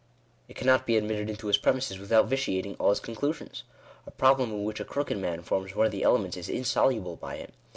It cannot be admitted into his premises without vitiating all his conclusions. A problem in which a crooked man forms one of the elements is insoluble by him.